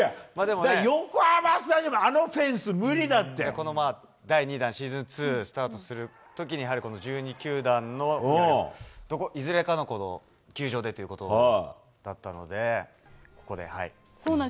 横浜スタジアム、あのフェン第２弾、シーズン２スタートするときに、やはりこの１２球団のとこ、いずれかの球場でということだったので。